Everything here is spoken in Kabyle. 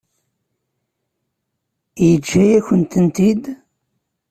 Yeǧǧa-yakent-tent-id?